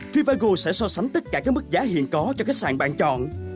fivego sẽ so sánh tất cả các mức giá hiện có cho khách sạn bạn chọn